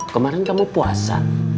kemarin kamu puasa